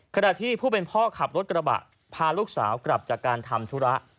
ขณะที่ผู้เป็นพ่อขับรถกระบะพาลูกสาวกลับจากการทำธุระ